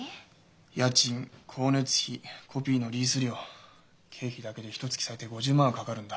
家賃光熱費コピーのリース料経費だけでひとつき最低５０万はかかるんだ。